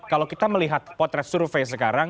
kalau kita melihat potret survei sekarang